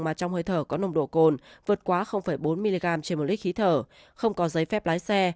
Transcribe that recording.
mà trong hơi thở có nồng độ cồn vượt quá bốn mg trên một lít khí thở không có giấy phép lái xe